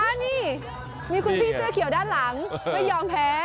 นี่มีคุณพี่เสื้อเขียวด้านหลังไม่ยอมแพ้